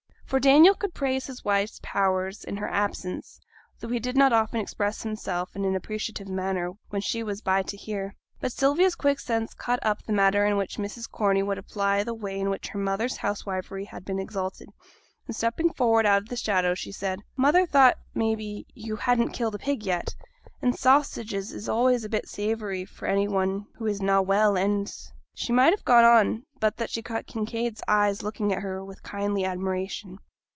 For Daniel could praise his wife's powers in her absence, though he did not often express himself in an appreciative manner when she was by to hear. But Sylvia's quick sense caught up the manner in which Mrs. Corney would apply the way in which her mother's housewifery had been exalted, and stepping forwards out of the shadow, she said, 'Mother thought, maybe, you hadn't killed a pig yet, and sausages is always a bit savoury for any one who is na' well, and ' She might have gone on but that she caught Kinraid's eyes looking at her with kindly admiration.